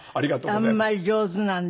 あんまり上手なんで。